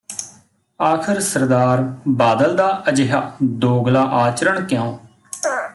ਆਖਰ ਸ ਬਾਦਲ ਦਾ ਅਜਿਹਾ ਦੋਗਲਾ ਆਚਰਣ ਕਿਉਂ